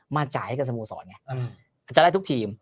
มาจ่ายให้กับสมุสรเนี่ยเพราะว่ารายทุกทีม